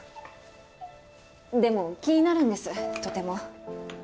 でも気になるんですとても。